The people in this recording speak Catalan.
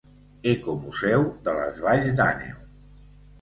Ecomuseu de les Valls d'Àneu.